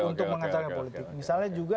untuk mengatakan politik misalnya juga